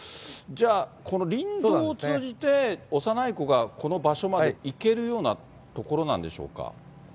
じゃあ、この林道を通じて、幼い子がこの場所まで行けるような所なんでしょうか。